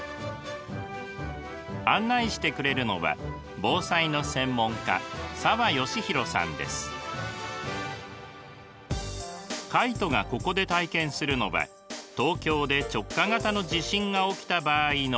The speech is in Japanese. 案内してくれるのは防災の専門家カイトがここで体験するのは東京で直下型の地震が起きた場合のシミュレーション。